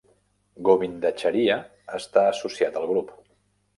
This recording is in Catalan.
Govindacharya està associat al grup.